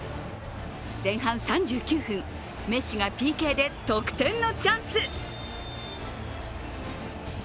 前半３９分、メッシがＰＫで得点のチャンス。